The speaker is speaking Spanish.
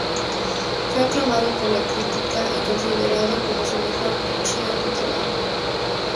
Fue aclamado por la crítica y considerado como su mejor pitcheo de trabajo.